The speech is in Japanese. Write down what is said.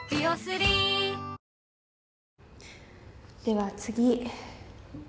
では次。